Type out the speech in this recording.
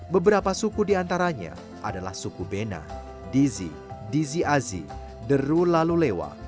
beberapa suku diantaranya adalah suku bena dizi dizi azi deru lalu lewa